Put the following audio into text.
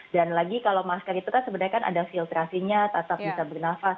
dan lagi kalau masker itu kan sebenarnya ada filtrasinya tetap bisa bernafas